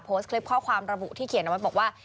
โพสต์คลิปข้อความระบุที่เขียนเอาไว้บอกว่า